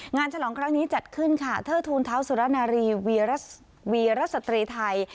ฉลองครั้งนี้จัดขึ้นค่ะเทิดทูลเท้าสุรนารีวีรสตรีไทย